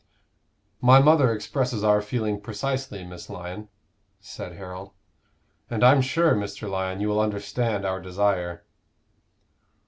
"My mother expresses our feeling precisely, Miss Lyon," said Harold. "And I'm sure, Mr. Lyon, you will understand our desire."